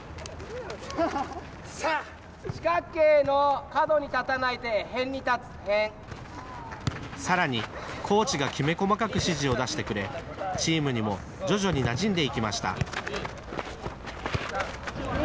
四角形の角に立たないで、さらに、コーチがきめ細かく指示を出してくれ、チームにも徐々になじんでいきました。